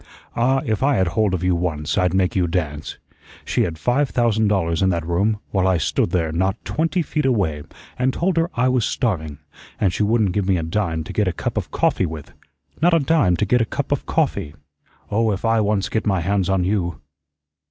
"Ah, if I had hold of you once, I'd make you dance. She had five thousand dollars in that room, while I stood there, not twenty feet away, and told her I was starving, and she wouldn't give me a dime to get a cup of coffee with; not a dime to get a cup of coffee. Oh, if I once get my hands on you!"